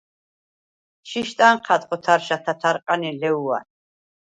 შიშდ ანჴა̈დხ ოთარშა თათარყან ი ლეუ̂ან.